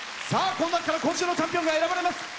さあこの中から今週のチャンピオンが選ばれます。